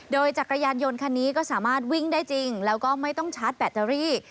โดยจักรยานยนต์คันนี้ก็สามารถวิ่งได้จริงแล้วก็ไม่ต้องชาร์จแบตเตอรี่